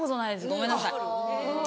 ごめんなさい。